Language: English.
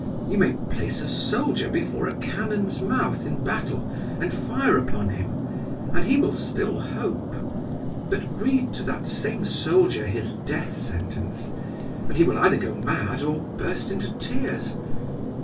You may place a soldier before a cannon's mouth in battle, and fire upon him—and he will still hope. But read to that same soldier his death sentence, and he will either go mad or burst into tears.